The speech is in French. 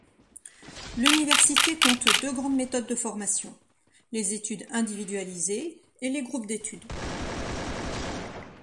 L'université compte deux grandes méthodes de formation: les études individualisées et les groupes d'études.